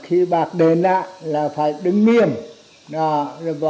phụ trách như vậy là nghiêm trọng